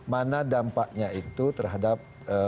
mana dampaknya itu terhadap